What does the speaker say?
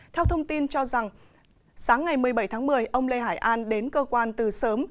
theo thông tin cho rằng sáng ngày một mươi bảy tháng một mươi ông lê hải an đến cơ quan từ sớm